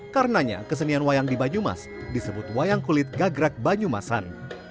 karenanya kesenian wayang di banyumas disebut wayang kulit gagrak banyumasan